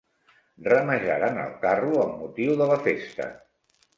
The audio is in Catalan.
Ramejaren el carro amb motiu de la festa.